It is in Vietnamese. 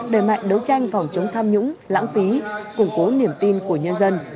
đẩy mạnh đấu tranh phòng chống tham nhũng lãng phí củng cố niềm tin của nhân dân